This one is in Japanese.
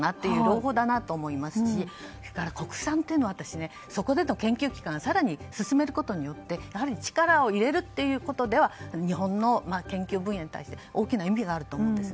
朗報だなと思いますし国産というのはそこでの研究機関更に進めることによって力を入れるという意味では日本の研究に対して大きな意味があると思います。